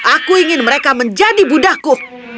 aku ingin mereka menjadi buddhaku